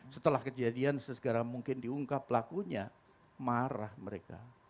setelah kejadian sesegera mungkin diungkap pelakunya marah mereka